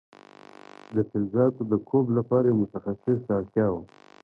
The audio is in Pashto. د فلزاتو د کوب لپاره یو متخصص ته اړتیا وه.